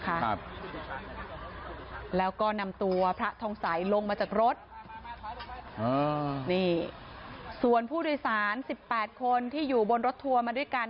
ครับแล้วก็นำตัวพระทองสัยลงมาจากรถอ่านี่ส่วนผู้โดยสารสิบแปดคนที่อยู่บนรถทัวร์มาด้วยกัน